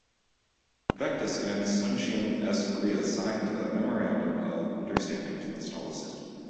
Vectus and Suncheon S. Korea signed a memorandum of understanding to install a system.